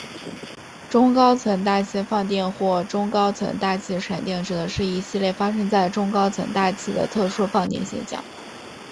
中高层大气放电或中高层大气闪电指的是一系列发生在中高层大气的特殊放电现象。